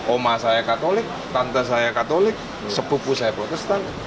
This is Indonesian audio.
oma saya katolik tante saya katolik sepupu saya protestan